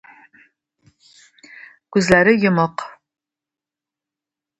Күзләре йомык.